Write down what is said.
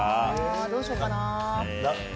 どうしようかな。